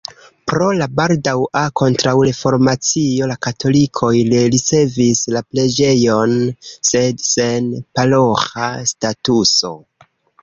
Pro la baldaŭa kontraŭreformacio la katolikoj rericevis la preĝejon, sed sen paroĥa statuso.